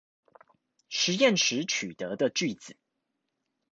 實驗時取得的句子